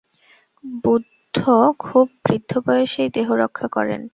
বুদ্ধ খুব বৃদ্ধবয়সেই দেহরক্ষা করেন।